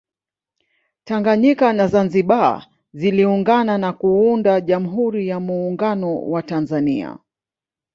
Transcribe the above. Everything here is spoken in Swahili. Tanganyika na Zanzibar ziliungana na kuunda Jamhuri ya Muungano wa Tanzania